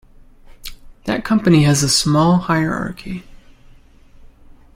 The company has a small hierarchy.